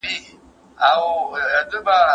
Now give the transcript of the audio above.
علمي پرمختګ له ازادي مطالعې سره تړلی دی.